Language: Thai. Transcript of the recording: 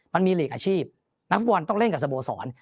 มันมีหลีกอาชีพนักฟุตบอลต้องเล่นกับสะโบสอน